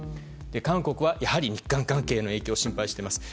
韓国は日韓関係の影響を心配しています。